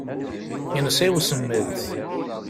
Yensa i usemmiḍ.